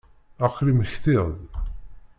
Aql-i mmektiɣ-d.